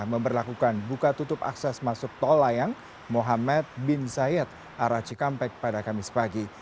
memperlakukan buka tutup akses masuk tol layang mohamed bin zayed arah cikampek pada kamis pagi